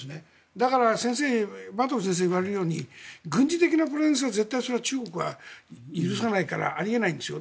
だからバートル先生が言われるように軍事的なプレゼンスは絶対、中国は許さないからあり得ないんですよ。